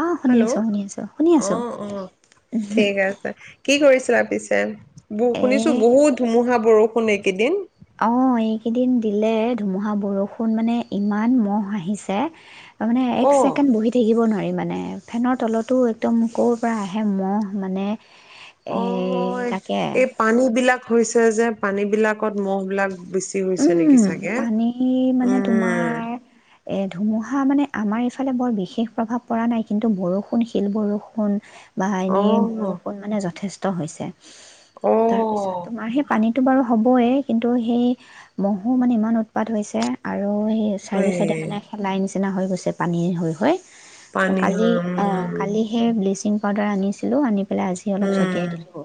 অ', শুনি হেল্ল', আছো, শুনি আছো, শুনি আছো। অ-অ, ঠিক আছে। কি কৰিছ [inaudible] ব এ শুনিছো বহুত ধুমুহা বৰ ষুণ একেইদিন অ', এইকেইদিন দিলে ধুমুহা বৰষুণ, মানে ইমান মহ আহিছে! মানে এক অ'। ছেকেণ্ড বহি থাকিব নোৱাৰে মানে, ফেনৰ তলতো একদম ক'ৰ পৰা আহে মহ মানে এই অই, তাকে এই পানী বিলাক হৈছ যে, পানী বিলাকত ম'হ বিলাক বেছি হৈছে নেকি উম, চাগে? পানী মানে উম, তোমাৰ এ ধুমুহা মানে আমাৰ এইফালে বৰ বিশেষ প্ৰভাৱ পৰা নাই কিন্তু বৰষুণ, শিল বৰষুণ বা এন অ', বৰষুণ মানে যথেচ হৈছে তাৰ পিছত অ'। তোমাৰ সেই পানীতটো বাৰু হ'বই কিন্তু সেই ম'হো মানে ইমান উৎপাত হৈছে আৰু আৰু এ চাৰিও চাইদে মানে শেলাই নিচি নিচিনা হৈ গৈছে পানী হৈ হৈ পানী কালি হয় উম, অ', কালি সেই ব্লিচিং পাউডাৰ আনিছিলো আনি পেলাই আজি অলপ উম, ছটিয়াই দিলো,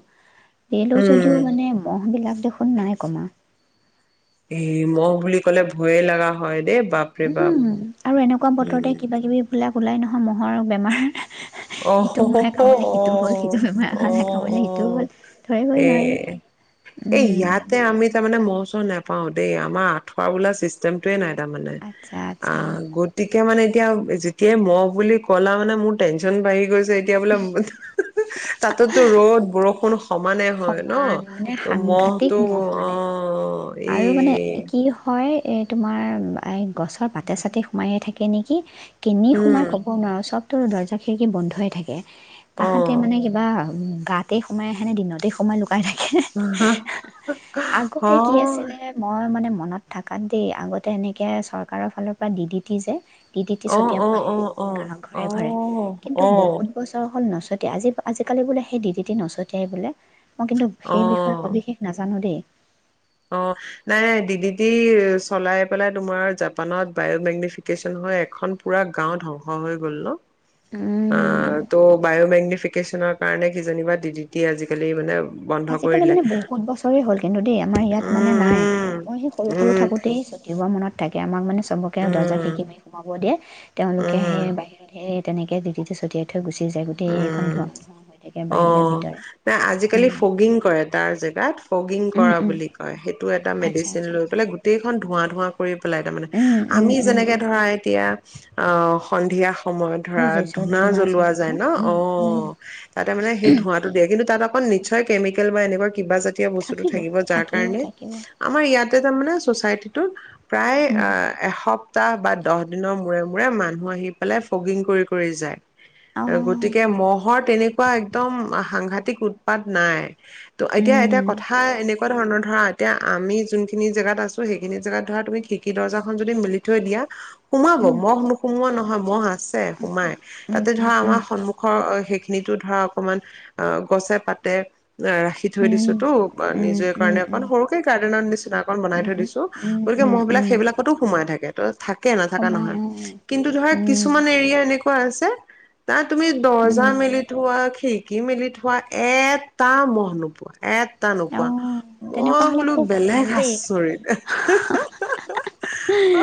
দিলো যদিও উম। মানে ম'হ বিলাক দেখোন নাই কমা এই মহ বুলি ক'লে ভয়ে লগা হয় দেই বাপৰে বাপ। উম, আৰু এনেকুৱা বতৰতে উম। কিবা কিবি বিলাক ওলাই নহয়, ম'হৰ বেমাৰ অ ইটো ম'হে অ আহ কামুৰিলে সিটো হ'ল সিটো বেমাৰে কামুৰিলে সিটো আহ হ'ল। ধৰিবই এ নোৱাৰি এ উম, ইয়াতে আমি তাৰমানে মৌচ নাপা পাওঁ দেই আমাৰ আঠুৱা বোলা চিষ্টেমটোৱে নাই ত মানে আচ্ছা অ আচ্ছা গতিকে মানে এতিয়া যেতিয়াই মহ বুলি ক'লা মানে মোৰ ব বাঢ়ি গৈছে এতিয়া বোলে তাততো ৰ'দ বৰষুণ সমানে হয় ন সমান মানে ত সাংঘাতিক মহটো ম'হ অ এই আৰু মানে কি হয় এই তোমাৰ এই গছৰ পাতে চাতে সোমায়য়ে থাকে নেকি কেনি উম সোমাই ক'ব নোৱাৰোঁ চব তো দৰ্জা খিৰিকি বন্ধইে থাকে অ তাহাতে মানে কিবা উ গাতেই সোমাই আহেনে দিনত স সময় আগতে কি হয় আছিল ম মানে মনত থকাত দেই আগতে এনেকে চৰকাৰৰ ফালৰ পৰা দি ডিটি যে তি টতিতি অ অ ছটিয়াব অ আহে অ গা অ ঘৰে ঘৰে অ কিন্তু বহুত বছৰ হ'ল নচ নচটীয়া আজি আজিকালি বোলে সেই ডি ডিটিচটিয়াই বোলে মই কিন্তু সেই বিষয়ে অ সবিশেষ নাজানো দেই অ নাই নাই দিদিটি চলাই পেলাই তোমাৰ জাপানত বায়মেগনিফিকেশ্যন হৈ এখন পুৰা গাও ধ্বংস হৈ গল ন অ ত বায়'মেগ্নিফিক কাৰণে কিজিবা ডি ডিটি আজিকালি মানে বন্ধ কৰি আজিকালি দিলে। মানে বহুত বছৰেই হ'ল কিন্তু দেই আমাৰ ইয়াত মানে নাই উম, মই সেই সৰু সৰু উম, থাকোঁতেই ছটিওোৱা মনত থাকে আমাক মানে চবকে দৰ্জা উম। শিকি মাৰি সোমাব দিয়ে তেওঁলোকে উম, সেই বাহিৰত সেই তেনেকৈ ড দি চ ছটিয় থটো থৈ গুচি যায় উম, গোতেইখন উম। ধো ধোৱা হৈ থাকে অ বাহিৰে ভিতৰে নাই আজিকালি উম ফগিং কৰে তাৰ জেগাত ফগিং উম কৰা উম বুলি কয় সেইটো এটা আচ্ছা মেডিচিন আচ্ছা লৈ পেলাই গোটেইখন ধোঁৱা ধোঁৱা কৰি পেলাই তাৰমানে আমি যেনেকৈ ধৰা এতিয়া অ সন্ধিয়া সময়ত ধৰা বুজিছোঁ ধূনা চূনা জ্বলোৱা দিওঁ ন অ তাতে মানে সেই ধোঁৱাটো দিয়ে কিন্তু ত অক নিশ্চয় কেমিকেল বা এনেকুৱা কিবা জাতীয় বস্তুটো থাকিব যাৰ কাৰণে আমাৰ ইয়াত তাতে তাৰমানে চচাইটিটো প্ৰায় এসপ এপ্তাহ বা দহ দিনৰ মূৰে মূৰে মানুহ আহি পেলাই ফগিং কৰি কৰি যায়। অঁ গতিকে মহৰ তেনেকুৱা একদম সাংঘাতিক উৎপাত নাই। ত এতিয়া এটা কথা এনে তেনেকুৱা ধৰণৰ ধৰা এতিয়া আমি যোনখিনি জেগাত আছো সেইখিনি জেগাত ধৰা তুমি খিৰকি দৰ্জাখন যদি মেলি থৈ দিয়া সোমাব মহ নোসুমোৱা নহয় আচ্ছা মহ আছে সোমাই উম তাতে উম ধৰা আমাৰ উম অ' সেইখিনিতো ধৰা অকমান অঁ গছে পাতে ৰাখি থৈ উম দিছোতোঁ উম নিজে উম কাৰণে অকন উম সৰুকে গাৰ্ডেনৰ নিচিনা অকন বনাই থৈ উম, দিছো উম, গতিকে উম, মহবিলাক উম, সেইবিলাক তাটো সোমাই থাকে ত থাকে নাথকা সোমাই নহয় উম, কিন্তু ধৰা উম, কিছুমান এৰিয়া এনেকুৱা আছে তাত তুমি দৰ্জা উম। মেলি থোৱা খিৰিকি মেলি থোৱা এটা মহ নোপোৱা এটা নোপোৱা। অ', তেনেকুৱা মই হ'লে বোলো খুব বেলেগ ভাল দেই। আচৰিত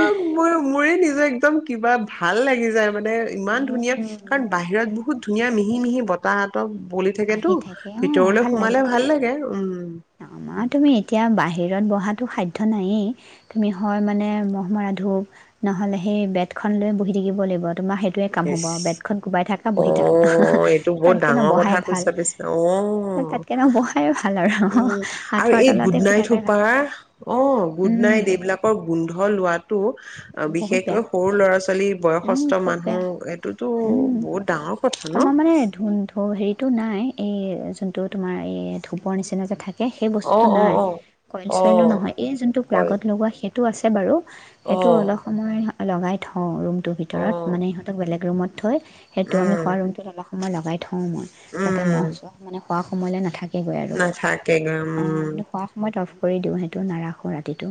অ' মোৰ মোৰে নিজ যে একদম কিবা ভাল লাগি যায় মানে ইমান ধুনীয়া উম, কাৰণ বাহিৰত বহুত ধুনীয়া মিহি মিহি বতাহতক বলি আহি থাকেতো থাকে অ', ভিতৰলে ভাল লাগে। সোমালে ভাল লাগে উম। হিৰত বহাটো সাধ্য নাইেই তুমি হয় মানে মহ' মৰা ধূপ নহ'লে সেই বেতখন লৈ বহি থাকিব লাগিব তোমাৰ সেই সেইটোৱে কাম হ'ব ইচ আৰু বেডখন কোবাই থাকা অ বহি থাকা এইটো বহুত তাতকৈ ডাঙৰ কথা নবহাই ভাল। কৈছা পিছে অ তাতকে নবহাই ভাল আৰু উম আৰু আঁঠুৱাৰ এই তলতে শুই গুডনাইট থাকাই ভাল। সোপা অ উম, গুডনাইট এইবিলাকৰ গোন্ধ লোৱাাটো বহুত বেয়া বিশেষকৈ সৰু ল'ৰা ছোৱালী উম, বয়সস্থ খুব মানুহ বেয়া উম এইটোতো উম। বহুত ডাঙৰ কথা ন? আমাৰ মানে ধুন ধু হেৰিটো নাই এই জোনটো তোমাৰ এই ধূপৰ নিচিনাকে থাকে সেই অ বস্তুতো অ নাই অ কইল অ চইলো নহয় এই যোনটো কয় প্লাগত লগোৱা সেইটো সেইটো আছে বাৰু। অ সেইটো অলপ সময় লগাই থওঁ ৰুমত ৰুমটোৰ অ ভিতৰত মানে ইহঁতক বলেগ ৰুমত থৈ সেইটো আমি উম শুৱা ৰুমটোত মই লগাই থওঁ মই যাতে উম মহ চহ মানে শুৱা সময়লে নাথাকে। এনেকুৱাই আৰু নাথাকে উম কিন্তু শুৱা সময়ত অফ কৰি দিওঁ সেইটো নাৰাখোঁ ৰাতিটো।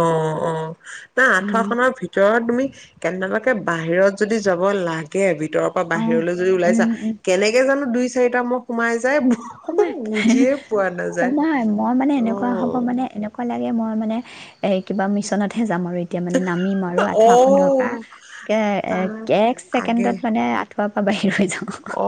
অ', অ'। আঠুৱা খনৰ ভিতৰত তুমি কেনে বাহিৰত যদি যাব লাগে বি ভিতৰৰ পৰা অঁ বাহিৰলৈ যদি ওলাইছা উম কেনেকে জানো দুই চাৰিটা ম'হ সোমাই যায় সোমাই বুজিয়ে পোৱা নাযায় সোমাই মই মানে এনেকুৱা হ'ব অ', মানে এনেকুৱা লাগে মই মানে এ কিবা মিছনতে যাম আৰু এতিয়া মানে নামিম আৰু আঠুৱাখনৰ পৰা অ', তাৰ এক আগে ছেকেণ্ডত মানে আ [unintelligible] পৰা বাহিৰ হৈ যাম। অ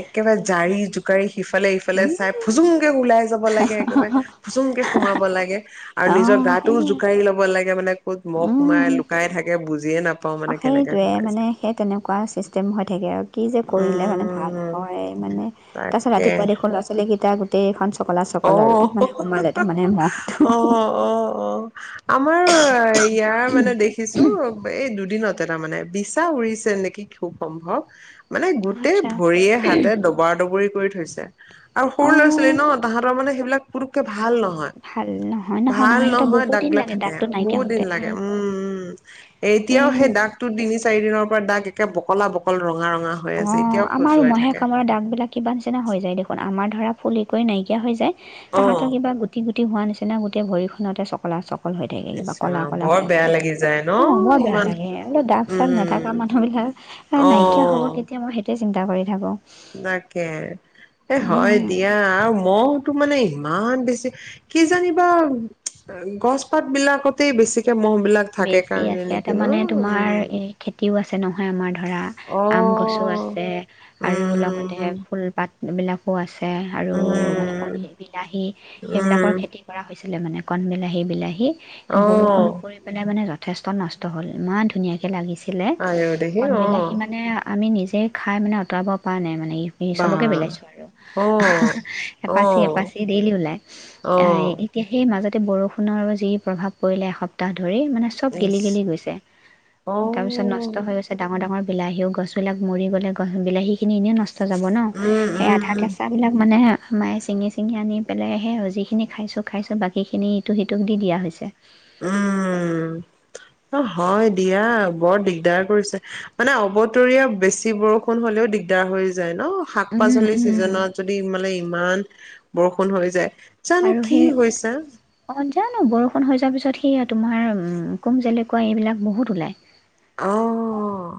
একেবাৰে জাৰি জো [unintelligible] সিফালে সিফালে চাই ফুচুংকে ওলাই যাব লাগে একেবাৰে ফোচোংকে সোমাব লাগে আৰু নিজৰ অঁ গাটো সেইয়ে জোকাৰি ল'ব লাগে [unintelligible] ক'ত ম'হ সোমাই লুকাই থাকে বুজ [unintelligible] অ', সেইটোয়ে মানে সেই তেনেকুৱা চিচ ষ্টেম হৈ থাকে আৰু। কি যে, কৰিলে মানে ভাল উম হয়, মানে তাৰপাছত তাকে ৰাতিপুৱা দেখোঁ ল'ৰা ছোৱালীকিটা [unintelligible] চকলা অ চকল আৰু মানে সোমালে তাৰমানে অ অ ম'হটো। অ আমাৰ ইয়াৰ মানে দেখিছো এই দুদিনত টা মানে বিছা উৰিছে নেকি খুব সম্ভৱ। মানে গোটেই আচ্ছা ভৰিয়ে হাতে দবৰা দবৰি কৰি থৈছে আৰু সৰু লৰা ছোৱালী অঁ ন তাৰমানে সেইবিলাক পুতুক কে ভাল নহয় ভাল নহয় নহয় ভাল সিহঁতৰ নহয় বহুত দাগ দিন বিলাক লাগে থাকে দাগটো নাইকিয়া বহুত দিন হওঁতে লাগে। উম, উম। এতিয়াও সেই দাগটো তিনি, চাৰি দিনৰ পৰা দাগ এক একে বকলা বকল ৰঙা ৰং অ', আমাৰ ম'হে কামোৰা দাগ বিলাক কিবা নিচিনা হৈ যায়, দেখোন আমাৰ ধৰা ফুলিকৈ নাইকিয়া হৈ যায়। তাহাঁতৰ অ কিবা গুটি, গুট হোৱা নিচিনা গোটেই ভৰিখনতে চকলা চক হৈ থাকে ইছ কিবা কলা ৰাম কলা বৰ হৈ বেয়া আছে লাগি যায় ন অ বৰ বেয়া ইমান লাগে দাগ চাগ নাথাকা উম মানুহ বিলাক এ অ নাইকিয়া খবৰ মই সেইটোৱ চিন্তা কৰি থাকোঁ। তাকে এ হয়, দিয়া আৰু ম'হ এইটো মানে ইমান বেছি কি জানিবা গছপাত বিলাকতে বেছি এতিয়া ম'হ বিলাক থাকে বেছি কাৰণে আছে নেকি ন? তাৰমানে তোমাৰ উম। এই খেতিও নহয়, আমাৰ ধৰা অ আম গছো আছে আৰু লগতে উম ফুলপাত এইবিলাকো আছ আৰু মানে উম কবি, বিলাহী সেইবিলাকৰ উম খেতি কৰা হৈছ আছিলে মানে কণ বিলাহী, বিলাহী। টো অ বৰষুণ পৰি মানে যথেষ্ট নষ্ট হ'ল, ইমান ধুনীয়াকে লাগি ছিলে। আইও দেহি কণ অ বিলাহী মানে আমি নি যেই খাই মানে অতৰাব পৰা নাই মানে বি বি বা চবকে বিলাইছোঁ আৰু অ অ এপাচি, এপাচি দেইলি ওলায়। অ এতিয়া সেই মাজত তাতে বৰষুণৰ যি প্ৰভাৱ পৰিলে এস ধৰি মানে চব গেলি ইছ গেলি গৈছে। তাৰ পিছত নষ্ট অ হৈ গৈছে ডাঙৰ, ডাঙৰ বিলাহীও গছ বিলাক মৰি গ'লে, গছ বিলাহীখিনি এনেও নচ যাব ন? উম, সেই উম, আধা উম, কেঁচাবিলাক মানে মায়ে চিঙি, চিঙি আনি পেলাইহে আৰু যিখিনি খাইছো, খাইছো বাকীখিনি ইটো সিটোক দি দিয়া হৈছে। উম, অ', হয়, দিয়া বৰ দিগদাৰ কৰিছে মানে অবতৰীয়া বেছি বৰষুণ হ'লেও দিগদাৰ হৈ যায়। অ, শাক উম পাচলি উম ছিজনত যদি মানে ইমান।। বৰষুণ হৈ যায়। জানো আৰু কি সেই হৈছে অ জানো বৰষুণ হৈ যোৱাৰ পিছত।। সেয়া তোমাৰ কোম যেলেকুৱা এইবিলাক বহুত ওলায়। অ'।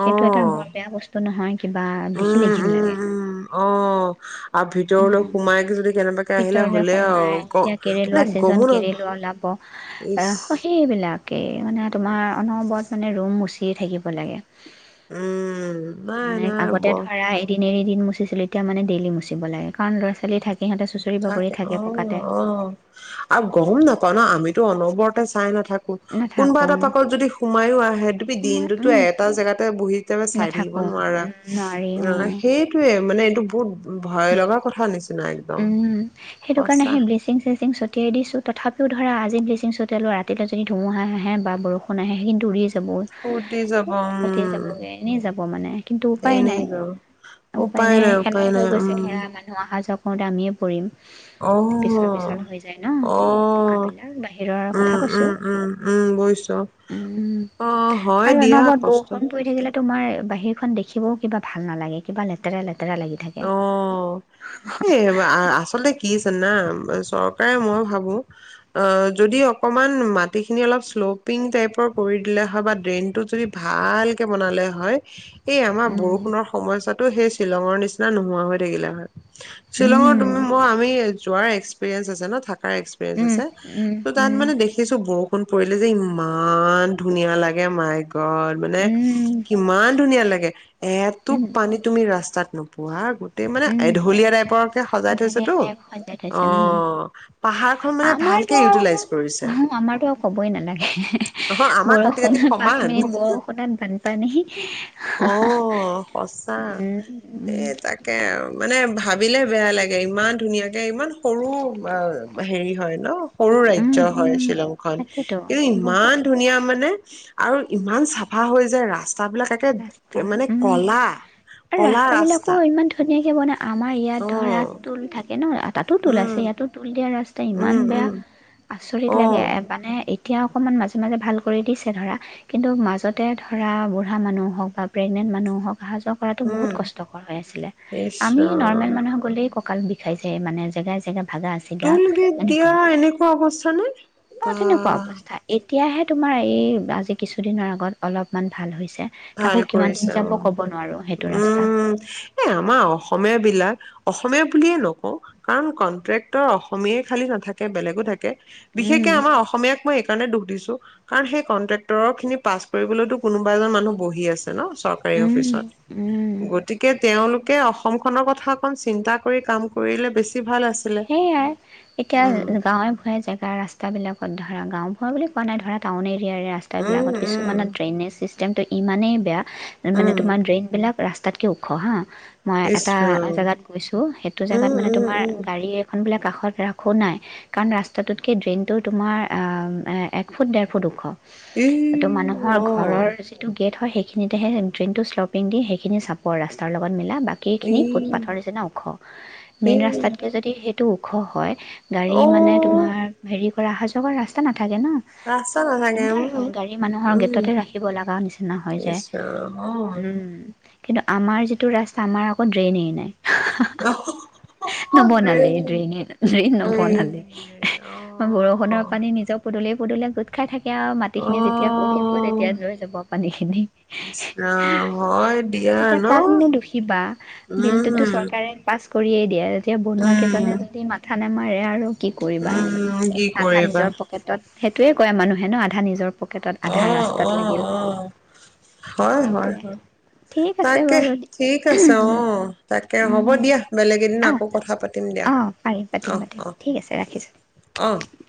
সেইটো এটা অ', বৰ বেয়া বস্তু নহয়, কিবা দেখিলে উম, ঘিন উম, লাগে। উম, অ'। আৰু উ ভিতৰলৈ সোমাইকে যদি কেনেবাকে আহিলে ভিতৰলে হ'লে সোমাই আৰু গ এতিয়া মানে কেৰেলোৱা ছিজন গমো নাপ কেৰেলোৱা ওলাব ইচ আকৌ সেইবিলাক।। তাকেই মানে তোমাৰ অনবৰত মানে ৰুম মুচিয়ে থাকিব লাগে। উম, নাই মানে নাই আগতে বৰ ধৰা এদিন এৰি দিন মুচিছিলোঁ, এতিয়া মানে ডেইলি মুচ মুচিব লাগে কাৰণ ল'ৰা-ছোৱালী থাকে। বাগৰি থাকে, অহ, পকাতে অহ। আৰু গম নাপাওঁ ন, আমিতো অনবৰতে চাই নাথাকোঁ। তু কোনোবা নাথাকোঁ এটা পাকত যদি সোমায়ো আহে তুমি সময় দিনটোতো উম এটা জেগাতে বহি [unintelligible] চাই থাকিব নাথাকোঁ নোৱাৰা। উম নোৱাৰি অহ, উম সেইটোয়ে মানে এইটো [unintelligible] ভয় লগা কথা নিচ। না একদম। উম, সেইটো কাৰণে হেই ব্লিচিং ছিচিং ছটিয়াই দিছো। তথাপিও ধৰা আজি ব্লিচিং ছতিয়ালো, ৰাতিলৈ যদি ধুমুহা আহে, বা বৰষুণ আহে সেই কিন্তু ৰি ই যাব, উটি যাব উতি উম যাবগে, এনেই যাব মানে, কিন্তু উপায় নাই, এনেই যাব উপায় নাই শেলাই উপায় হৈ নাই গৈছে উম ধৰা মানুহ অহা যোৱা উতা আমিয়ে পৰি়ম। অ, অ, পকাবিলাক বাহিৰৰ কথা কৈছোঁ উম-উম, উম-উম বুইছু, উম অহ হয় আৰু দিয়া অনবৰত কষ্ট। বৰষুণ পৰি থাকিলে তোমাৰ বাহিৰ খন দেখিবও কিবা ভাল নালাগে, কিবা লেতেৰা লেত তেৰা লাগি থাকে। অ এই আ আচলতে কি জানা, চৰকাৰে মই ভাবো, আ যদি অকমান মাটিখিনি অলপ শ্লপিং টাইপৰ কৰি দিলে হয় বা ড্ৰেইনটো যদি ভালকে বনালে হয় এই আমাৰ উম বৰষুণৰ সময়ছোৱাত তো হেই শ্বিলঙৰ নিচি না নোহোৱা হৈ থাকিলে হয়। শ্বিলঙৰ উম তুমি মই আমি যোৱাৰ এক্সপিৰিয়েঞ্চ আছে ন, থাক কাৰ এক্সপিৰিয়েঞ্চ উম আছে, উম ত' তাত উম মানে দেখিছো ব ষুন পৰিলে যে ইমান ধুনীয়া লাগে মায় গ গদ, মানে উম কিমান ধুনীয়া লা এ। এটোপ উম পানী তুমি ৰাস্তাত নোপ পোৱা, গোট উম, এঢলীয়া থৈছেতো টাইপ সজাই অ থৈছে উম, পাহাৰখন মানে আমাৰতো ভালকে আউ ইউটিলাইজ কৰিছে অহ আমাৰতো আউ কবই নালাগে, অ আমাৰ কাটি কাটি বৰষুণত পাঁচ সমান মিনিট বৰষুণত বানপানী অ, সচাঁ উম উম এই তাকে আ অ মানে ভাবিলে বেয়া লাগে, ইমান ধুনীয়াকে, ইমান সৰু ব হেৰি হয়। ন, সৰু ৰাজ্য উম হয় উম শ্বিলং খন। তাকেতো এই বহুত ইমান ধুনীয়া মানে। আৰু ইমান চাফা হয় যে ৰাস্তা বিলাক আ ৰাস্তা, উম এই ৰাস্তা বিলাকো ইমান ধুনীয়া কিবনা আমাৰ ইয়াত অ ধৰা টোল থাকে ন, তাতো টোল আছে, উম ইয়াতো টোল দিয়া ৰাস্তা ইমান উম বেয়া উম আচৰিত অ লাগে এ মানে এ এতিয়া অকণমান মাজে মাজে ভাল কৰি দিছে ধৰা, কিন্তু মাজতে ধৰা হা মানুহ হক বা প্ৰেগনেট মানুহ হক। আহা যোৱা কৰাতো বহুত উম কষ্টকৰ হৈ আছিলে, ইচ আমি নৰ্মেল ৰাম মানুহে গ'লেই ক কাল বিষাইছে মানে, জেগাই জেগা ভাগা চিগা টোল গেট দিয়া এনেকুৱা অৱস্থা নাই ন তেনেকুৱা অৱস্থা তেতিয়াহে তোমাৰ এই আজি কিছুদিনৰ আগত অলপমান ভাল হৈছে তাকো ভাল কিমান দিন কৰিছা যাব উ ক'ব নোৱাৰো সেইটো ৰাস্তা উম এ আমাৰ অসমীয়া বিলাক অসমীয়া বুলিয়ে নকওঁ কাৰণ কণ্ট্ৰেক্টৰ অসমীয়াই খালী নাথাকে বেলেগো থাকে বিশেষকে উম আমাৰ অসমীয়াক মই দুখ দিছো কাৰণ সেই কন্ট্ৰে্টৰ খিনি পাছ কৰিবলৈো কোনবা এজন মানুহ বহি আছোঁ ন চৰকাৰী উম, অফিচত, উম, গতিকে তেওঁলোক অসম খনৰ কথা অকণ চিন্তা কৰি কাম কৰিলে বেছি ভাল আছিলে। সেইয়াই। এতিয়া উম, গাঁৱে-ভূঞে জেগা ৰাস্তা বিলাকত ধৰ ধৰা গাঁওবোঢ়া বুলি কোৱা নাই ধৰা টাউনে ইয়াৰে ৰাস্তা উম, বিলাকত উম, কিছুমানত ড্ৰেইনেজ চিছ চিষ্টেমটো ইমানেই বেয়া মানে উম, তোমাৰ ড্ৰেইন বিলাক ৰাস্তাতকে ওখ হা। মই ইচ এটা ৰাম। জোগাত গৈছো সেইটো জোগাত উম, মানে উম, তোমাৰ উম, এখন বোলে কাষত ৰাখোঁ নাই কাৰণ ৰাস্তাটোতকৈ ড্ৰেইনটো তোমাৰ এক ফুট ডেৰ ফুট ওখ ত' উম মানুহৰ আহ ঘৰৰ যিটো গেট হয় সেইখিনিতেহে ড্ৰেইনটো শ্লপিং দি সেইখিনি চাপো আৰু ৰাস্তাৰ লগত ম বাকী ই খিনি ফুটপাথৰ নিচিনা খ ই মেইন ৰাস্তাত সেইটো ওখ হয়। গাড়ী মানে অ' তোমাৰ হেৰি আহা যোৱা ৰাস্তা না থাকে ন ৰাস্তা নাথাকে উম দিগদাৰ গাড়ী মানুহৰ উম গেটতে ৰাখিব লগা নিচিনা হৈ ইছ যায় ৰাম উম কিন্তু আমাৰ যিটো ৰাস্তা আমাৰ আকৌ ড্ৰেইনই নাই আহ নবনালে ড্ৰেইনে, ড্ৰেইন নবনালে এই অ মই বৰষুণৰ পানী নিজৰ পুদলি পদুলিয়ে গোট খাই থাকে। এয়া মাটিখিনি অ যেতিয়া শুহিব তেতিয়া লৈ যাব পানী খিনি। ইছ ৰাম হয় দিয়া এতিয়া ন কাকনো দুখিবা? বিলটোতো উম চৰকাৰে পাছ কৰিয়েই দিয়ে তেতিয়া বনোৱা উম কেইজনে যদি মাথা নামাৰে আৰু। কি কৰিবা উম কি আধা কৰিবা নিজৰ পকেটত সেইটোৱে কয় মানুহে আধা নিজৰ পকেটত আধা অহ, ৰাস্তাত অহ, লাগিল অহ। হয়, হয়, সেইটোৱে হয়। ঠিক আছে তাকে বাৰু ঠিক আছে, উম অহ। তাকে হ'ব দিয়া, বেলেগ এদিন আকৌ কথা পাতিম দিয়া অ পাৰিম অ পাতিম পাতিম অ ঠিক আছে অ ৰাখিছো